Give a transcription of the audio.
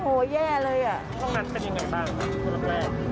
โครงงานเป็นอย่างไรบ้างครับทุนลำแรก